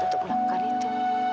untuk melakukan itu